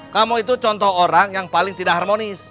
kamu itu contoh orang yang paling tidak harmonis